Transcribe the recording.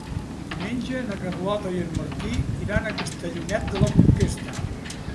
Diumenge na Carlota i en Martí iran a Castellonet de la Conquesta.